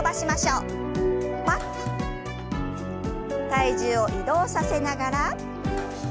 体重を移動させながら。